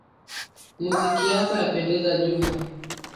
Muziki yako yapendeza Juma